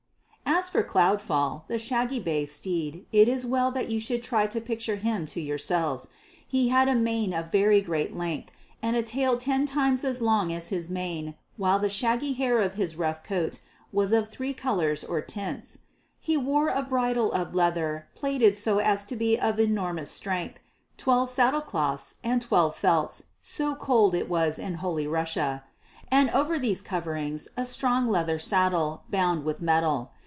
As for Cloudfall, the shaggy bay steed, it is well that you should try to picture him to yourselves. He had a mane of very great length, and a tail ten times as long as his mane, while the shaggy hair of his rough coat was of three colours or tints. He wore a bridle of leather plaited so as to be of enormous strength, twelve saddle cloths and twelve felts (so cold it was in Holy Russia), and over these coverings a strong leather saddle bound with metal.